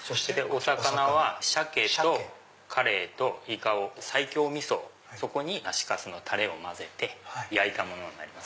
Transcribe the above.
お魚はサケとカレイとイカを西京みそに梨粕のタレを混ぜて焼いたものになります。